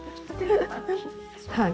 はい。